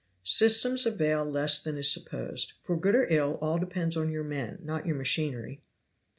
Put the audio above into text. "Systems avail less than is supposed. For good or ill all depends on your men not your machinery.